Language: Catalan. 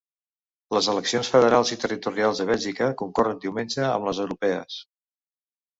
Les eleccions federals i territorials a Bèlgica concorren diumenge amb les europees